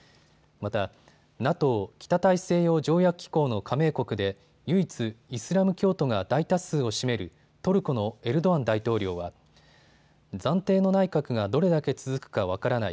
また北大西洋条約機構の加盟国で、唯一、イスラム教徒が大多数を占めるトルコのエルドアン大統領は暫定の内閣がどれだけ続くか分からない。